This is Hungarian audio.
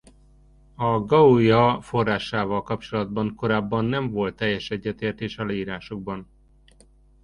A Gauja forrásával kapcsolatban korábban nem volt teljes egyetértés a leírásokban.